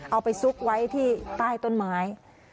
เอาไปซุกไว้ที่ใต้ต้นไม้